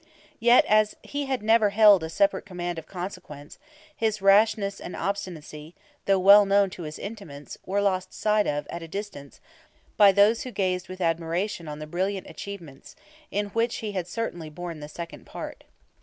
Yet as he had never held a separate command of consequence, his rashness and obstinacy, though well known to his intimates, were lost sight of, at a distance, by those who gazed with admiration on the brilliant achievements, in which he had certainly borne the second part.